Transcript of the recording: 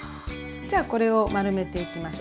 じゃあこれを丸めていきましょう。